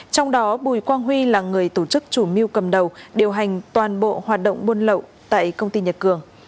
trong đó bùi quang huy là người tổ chức chủ mưu cầm đầu điều hành toàn bộ hoạt động buôn lậu tại công ty nhật cường